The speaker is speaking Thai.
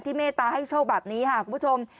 เมตตาให้โชคแบบนี้ค่ะคุณผู้ชม